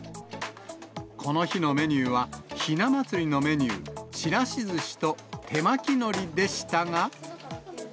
この日のメニューは、ひな祭りのメニュー、ちらしずしと手巻きのりでしたが。